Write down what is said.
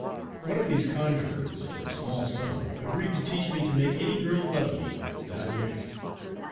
One of these conjurers, for a small sum agreed to teach me to make any girl love me that I wished.